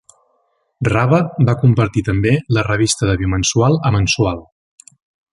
Rabe va convertir també la revista de bimensual a mensual.